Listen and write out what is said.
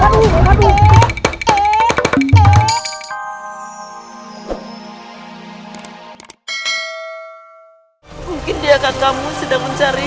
mungkin dia kak kamu sedang mencari